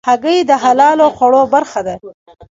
هګۍ د حلالو خوړو برخه ده.